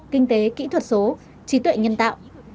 kinh tế kỹ thuật số trí tuệ nhân tạo